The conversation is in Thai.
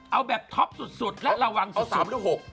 เอาแบบท็อปสุดและระวังเรียบเอาสามหรือหก